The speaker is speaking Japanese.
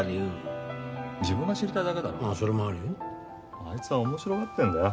あいつは面白がってんだよ。